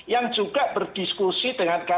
yang juga berdiskusi dengan kpk